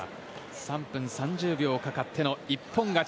３分３０秒かかっての一本勝ち。